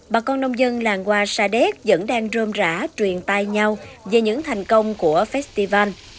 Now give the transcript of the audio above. bà con nông dân làng hoa sa đéc vẫn đang rơm rã truyền tai nhau về những thành công của festival